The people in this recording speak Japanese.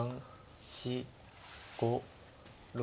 ４５６。